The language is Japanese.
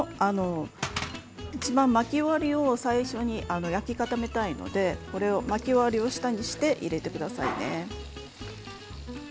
巻き終わりを最初に焼き固めたいので巻き終わりを下にして入れてくださいね。